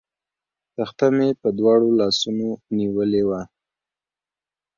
تخته مې په دواړو لاسونو نیولې وه.